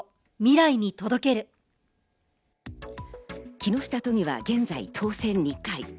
木下都議は現在、当選２回。